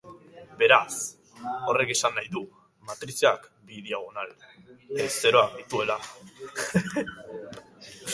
Beraz, horrek esan nahi du matrizeak bi diagonal ez-zeroak dituela.